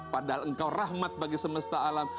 padahal engkau rahmat bagi semesta alam